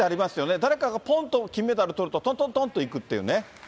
誰かがぽんと金メダルをとると、とんとんとんっていくっていうね。